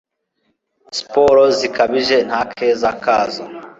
siporo zikabije ntkeza kazo